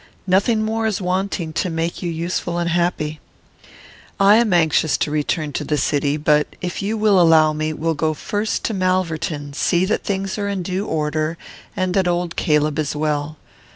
Nothing more is wanting to make you useful and happy. I am anxious to return to the city, but, if you will allow me, will go first to Malverton, see that things are in due order, and that old Caleb is well.